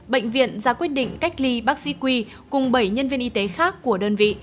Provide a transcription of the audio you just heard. bệnh viện ra quyết định cách ly bác sĩ quy cùng bảy nhân viên y tế khác của đơn vị